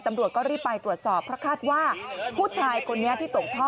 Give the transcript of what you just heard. ตำรวจก็รีบไปตรวจสอบเพราะคาดว่าผู้ชายคนนี้ที่ตกท่อ